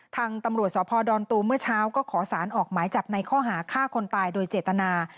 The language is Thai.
ทางตำรวจสพดอนตูมเมื่อเช้าก็ขอสารออกหมายจับในข้อหาฆ่าคนตายโดยเจตนา